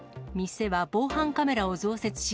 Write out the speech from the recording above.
店は防犯カメラを増設し、